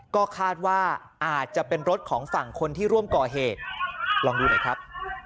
ก็คาดว่าอาจจะเป็นรถของฝั่งคนที่ร่วมก่อเหตุลองดูหน่อยครับ